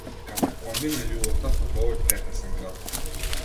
Катакомби на љубовта под овој претесен град.